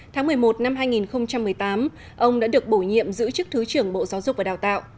tháng một mươi một năm hai nghìn một mươi tám ông đã được bổ nhiệm giữ chức thứ trưởng bộ giáo dục và đào tạo